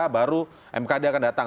baru mkd akan datang